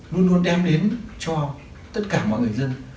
luôn luôn đem đến cho tất cả mọi người dân